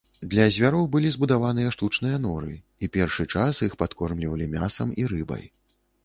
Для звяроў былі збудаваныя штучныя норы, і першы час іх падкормлівалі мясам і рыбай.